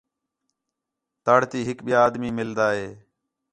تڑ تی ہِک ٻِیا آدمی مِلدا ہِے